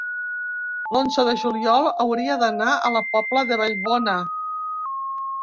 L'onze de juliol hauria d'anar a la Pobla de Vallbona.